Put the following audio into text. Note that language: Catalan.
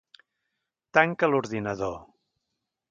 Tanca l'ordinador.